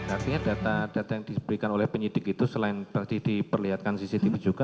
artinya data data yang diberikan oleh penyidik itu selain berarti diperlihatkan cctv juga